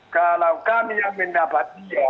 kalau kami yang mendapat